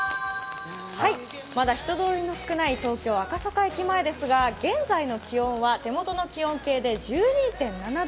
まだ人通りの少ない東京・赤坂駅前ですが、現在の気温は手元の気温計で１２．７度。